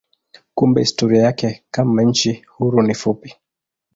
Kumbe historia yake kama nchi huru ni fupi.